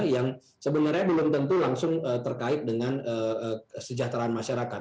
yang sebenarnya belum tentu langsung terkait dengan kesejahteraan masyarakat